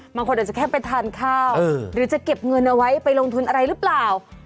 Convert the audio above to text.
บางคนอาจจะแค่ไปทานข้าวหรือจะเก็บเงินเอาไว้ไปลงทุนอะไรหรือเปล่า